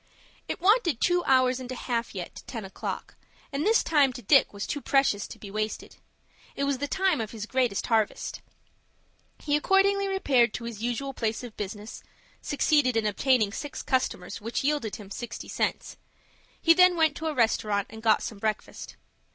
It wanted two hours and a half yet to ten o'clock, and this time to Dick was too precious to be wasted. It was the time of his greatest harvest. He accordingly repaired to his usual place of business, succeeded in obtaining six customers, which yielded him sixty cents. He then went to a restaurant, and got some breakfast.